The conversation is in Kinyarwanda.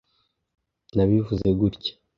nabivuze gutya.